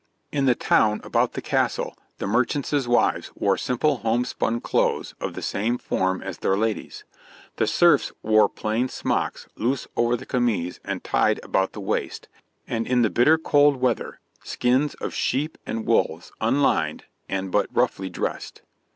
In the town about the castle the merchants' wives wore simple homespun clothes of the same form as their ladies. The serfs wore plain smocks loose over the camise and tied about the waist, and in the bitter cold weather skins of sheep and wolves unlined and but roughly dressed.